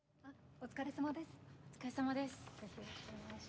お疲れさまです。